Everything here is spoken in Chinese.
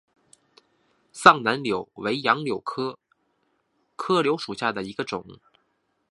藏南柳为杨柳科柳属下的一个种。